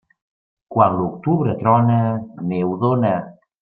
Quan l'octubre trona, neu dóna.